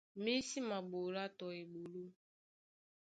Mí sí maɓolá tɔ eɓoló.